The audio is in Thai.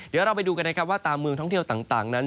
เดี๋ยวเราไปดูกันนะครับว่าตามเมืองท่องเที่ยวต่างนั้น